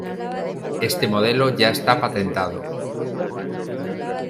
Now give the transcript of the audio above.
Este modelo ya está patentado.